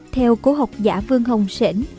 theo cổ học giả vương hồng sển